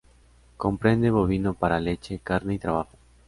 Comprende bovino para leche, carne y trabajo.